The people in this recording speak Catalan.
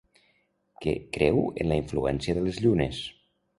Que creu en la influència de les llunes.